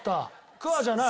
鍬じゃない？